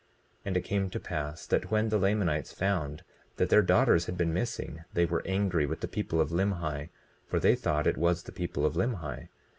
20:6 And it came to pass that when the Lamanites found that their daughters had been missing, they were angry with the people of Limhi, for they thought it was the people of Limhi.